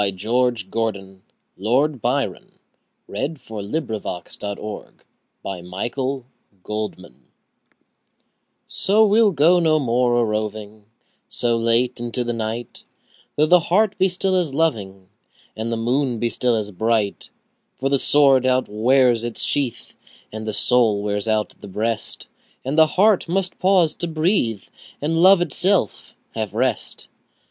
George Gordon Byron, Lord Byron. 1788–1824 599. We'll go no more a roving SO, we'll go no more a roving So late into the night, Though the heart be still as loving, And the moon be still as bright. For the sword outwears its sheath, 5 And the soul wears out the breast, And the heart must pause to breathe, And love itself have rest.